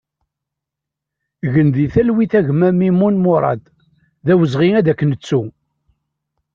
Gen di talwit a gma Mimun Murad, d awezɣi ad k-nettu!